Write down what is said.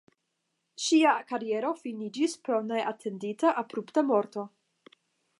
Ŝia kariero finiĝis pro neatendita abrupta morto.